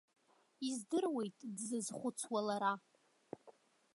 Издыруеит дзызхәыцуа лара.